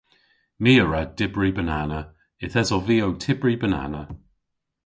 My a wra dybri banana. Yth esov vy ow tybri banana.